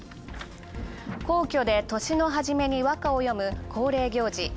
皇居で年の初めに和歌を詠む恒例行事